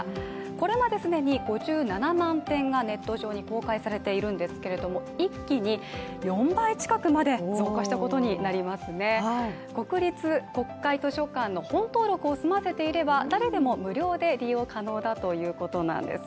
これまで既に５７万点がネット上に公開されているんですけれども、一気に４倍近くまで増加したことになりますね国立国会図書館の本登録を済ませていれば誰でも無料で利用可能だということなんです。